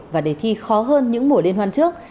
và đề thi khó hơn những mùa liên hoan trước